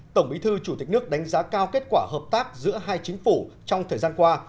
tổng bí thư chủ tịch nước đánh giá cao kết quả hợp tác giữa hai chính phủ trong thời gian qua